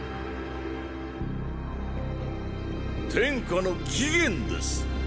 “天下”の起源です。